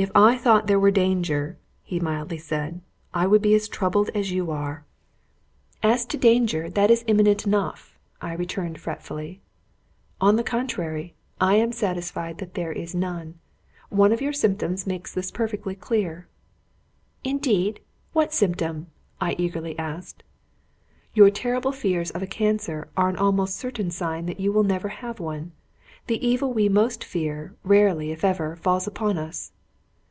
"If I thought there were danger," he mildly said, "I would be as much troubled as you are." "As to danger, that is imminent enough," I returned, fretfully. "On the contrary, I am satisfied that there is none. One of your symptoms makes this perfectly clear." "Indeed! What symptom?" I eagerly asked. "Your terrible fears of a cancer are an almost certain sign that you will never have one. The evil we most fear, rarely, if ever, falls upon us."